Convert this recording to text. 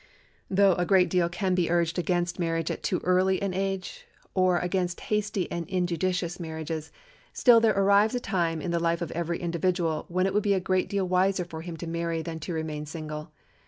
Though a great deal can be urged against marriage at too early an age, or against hasty and injudicious marriages, still there arrives a time in the life of every individual when it would be a great deal wiser for him to marry than to remain single.